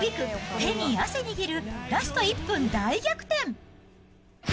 手に汗握るラスト１分大逆転。